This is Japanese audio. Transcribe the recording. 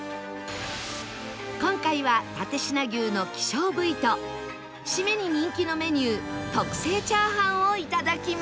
今回は蓼科牛の希少部位と締めに人気のメニュー特製チャーハンをいただきます